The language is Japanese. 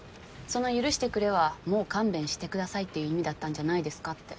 その許してくれはもう勘弁してくださいっていう意味だったんじゃないですかって。